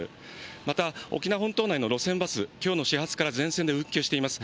また、沖縄本島内の路線バス、きょうの始発から全線で運休しています。